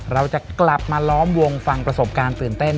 เราจะกลับมาล้อมวงฟังประสบการณ์ตื่นเต้น